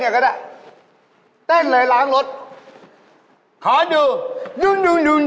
ตารางขั่นฝากกระโปรง